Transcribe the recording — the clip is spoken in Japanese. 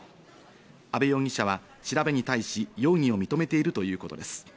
阿部容疑者は調べに対し容疑を認めているということです。